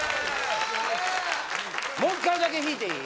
もう一回だけ引いていい？